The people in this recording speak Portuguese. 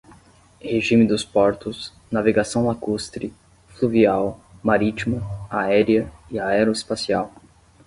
regime dos portos, navegação lacustre, fluvial, marítima, aérea e aeroespacial;